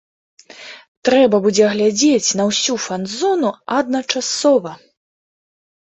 Трэба будзе глядзець на ўсю фанзону адначасова!